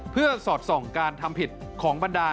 เพื่อสอดส่องการทำผิดของบรรดาล